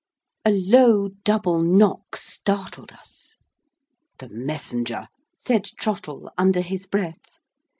A low, double knock startled us. "The messenger!" said Trottle, under his breath.